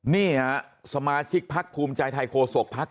เนี่ยสมาชิกภักดิ์ภูมิใจไทยโศกภักดิ์